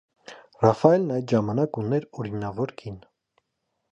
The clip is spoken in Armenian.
Ռաֆայելն այդ ժամանակ ուներ օրինավոր կին։